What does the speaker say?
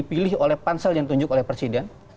dipilih oleh pansel yang ditunjuk oleh presiden